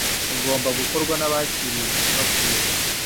ugomba gukorwa n'abakiriye ubutumwa bwiza.